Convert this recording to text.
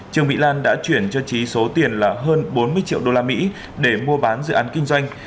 trương mỹ lan đã chuyển cho trí số tiền là hơn bốn mươi triệu đô la mỹ để mua bán dự án kinh doanh